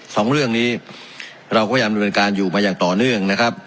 สองเรื่องนี้เราก็ยังดำเนินการอยู่มาอย่างต่อเนื่องนะครับ